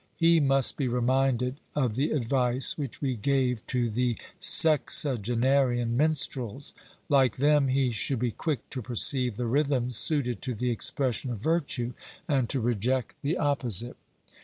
He must be reminded of the advice which we gave to the sexagenarian minstrels; like them he should be quick to perceive the rhythms suited to the expression of virtue, and to reject the opposite.